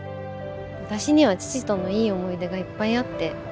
私には父とのいい思い出がいっぱいあって。